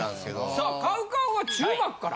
さあＣＯＷＣＯＷは中学から。